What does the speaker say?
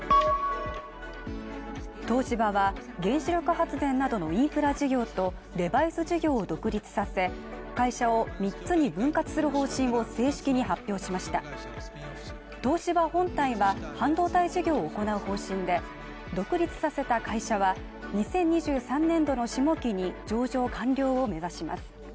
東芝は、原子力発電などのインフラ事業と、デバイス事業を独立させ、会社を三つに分割する方針を正式に発表しました東芝本体は半導体事業を行う方針で、独立させた会社は、２０２３年度の下期に上場完了を目指します。